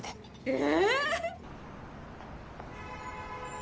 え！